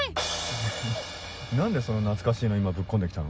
え何でそんな懐かしいの今ぶっ込んで来たの？